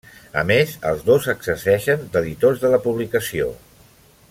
A més, els dos exerceixen d'editors de la publicació.